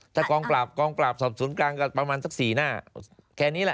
แต่กองกราบสอบสวนโอกาสประมาณสัก๔หน้าแค่นี้แหละ